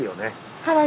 はい。